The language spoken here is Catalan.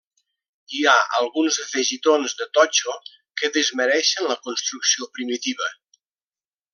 Hi ha alguns afegitons de totxo que desmereixen la construcció primitiva.